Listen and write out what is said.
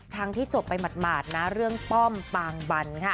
ทั้งที่จบไปหมดเรื่องป้อมปางบัน